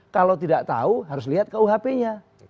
kalau tidak tahu harus lihat kuhp nya